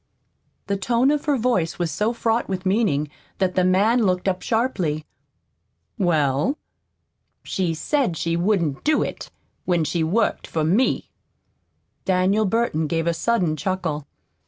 The tone of her voice was so fraught with meaning that the man looked up sharply. "Well?" "She said she wouldn't do it when she worked for me." Daniel Burton gave a sudden chuckle.